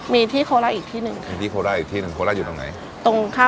มีที่โคลาอีกที่หนึ่งค่ะ